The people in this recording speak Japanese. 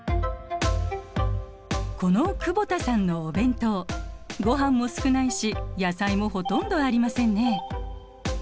この久保田さんのお弁当ごはんも少ないし野菜もほとんどありませんね。